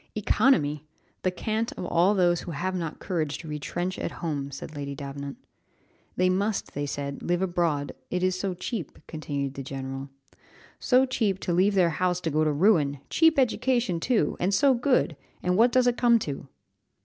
"Economy! The cant of all those who have not courage to retrench at home," said Lady Davenant. "They must," they said, "live abroad, it is so cheap," continued the general. "So cheap to leave their house to go to ruin! Cheap education too! and so good and what does it come to?"